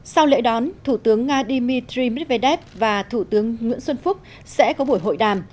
sau lễ đón thủ tướng nga dmitry medvedev và thủ tướng nguyễn xuân phúc sẽ có buổi hội đàm